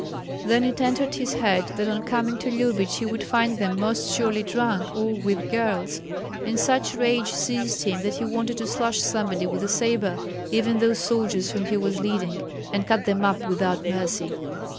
Then it entered his head that on coming to Lyubich he would find them most surely drunk or with girls; and such rage seized him that he wanted to slash somebody with a sabre, even those soldiers whom he was leading, and cut them up without mercy.